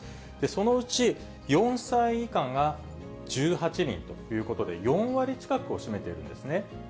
そのうち、４歳以下が１８人ということで、４割近くを占めているんですね。